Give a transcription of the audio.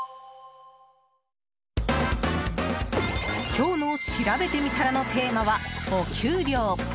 今日のしらべてみたらのテーマは、お給料。